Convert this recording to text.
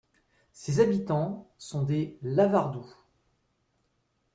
Ses habitants sont des Lavardous.